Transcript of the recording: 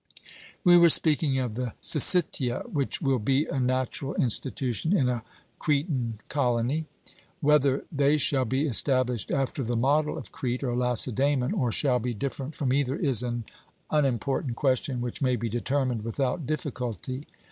We were speaking of the syssitia, which will be a natural institution in a Cretan colony. Whether they shall be established after the model of Crete or Lacedaemon, or shall be different from either, is an unimportant question which may be determined without difficulty.